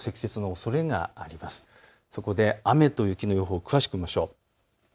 そこで雨と雪の予報を詳しく見ていきましょう。